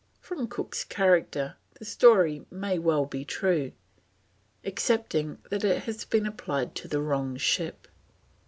From Cook's character the story may well be true, excepting it has been applied to the wrong ship.